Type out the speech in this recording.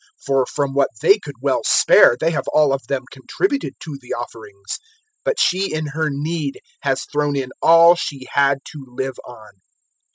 021:004 For from what they could well spare they have all of them contributed to the offerings, but she in her need has thrown in all she had to live on."